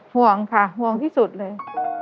ห่วงค่ะห่วงที่สุดเลย